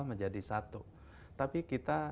menjadi satu tapi kita